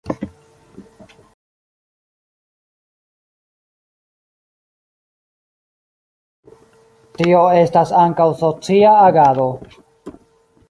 Tio estas ankaŭ socia agado.